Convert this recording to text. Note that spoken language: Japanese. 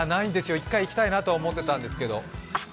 一回行きたいなと思っていたんですけど。